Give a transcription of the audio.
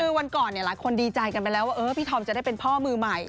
คือวันก่อนหลายคนดีใจกันไปแล้วว่าพี่ธอมจะได้เป็นพ่อมือใหม่